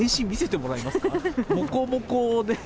もこもこで。